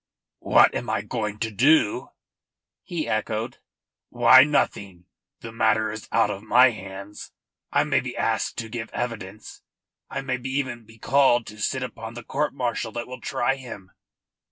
"What am I going to do?" he echoed. "Why, nothing. The matter is out of my hands. I may be asked to give evidence; I may even be called to sit upon the court martial that will try him.